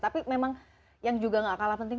tapi memang yang juga gak kalah penting